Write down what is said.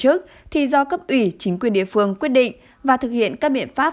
trước khi tổ chức thì do cấp ủy chính quyền địa phương quyết định và thực hiện các biện pháp